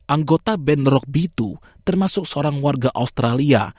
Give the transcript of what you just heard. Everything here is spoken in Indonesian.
anggota band rock bitu termasuk seorang warga australia